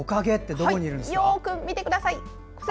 よく見てください。